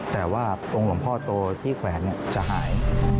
แต่ว่าองค์หลวงพ่อโตที่แขวนจะหาย